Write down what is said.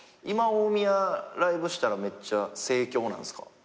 今大宮ライブしたらめっちゃ盛況なんですか？